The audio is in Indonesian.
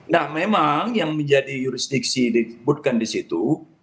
nah memang yang menjadi jurisdiksi disebutkan di situ